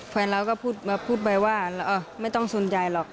แฟนเราก็พูดมาพูดไปว่าเออไม่ต้องสนใจหรอก